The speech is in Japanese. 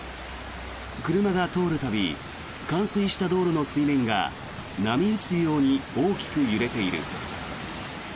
車が通る度冠水した道路の水面が波打つように大きく揺れている。